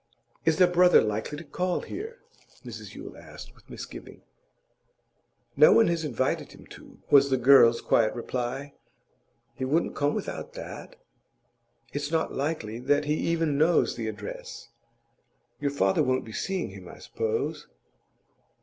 'Is their brother likely to call here?' Mrs Yule asked, with misgiving. 'No one has invited him to,' was the girl's quiet reply. 'He wouldn't come without that?' 'It's not likely that he even knows the address.' 'Your father won't be seeing him, I suppose?